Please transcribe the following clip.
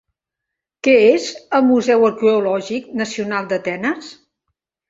Què és el Museu Arqueològic Nacional d'Atenes?